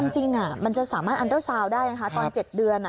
จริงมันจะสามารถอันด้วยชาวได้ตอน๗เดือน